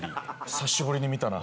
久しぶりに見たな。